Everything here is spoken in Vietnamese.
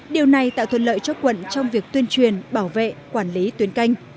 điều này tạo thuận lợi cho quận trong việc tuyên truyền bảo vệ quản lý tuyến canh